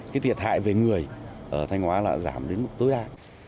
cái thiệt hại về người ở thanh hóa là giảm đến mức tối đa